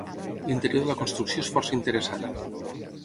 L'interior de la construcció és força interessant.